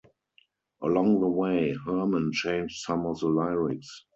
Along the way, Herman changed some of the lyrics.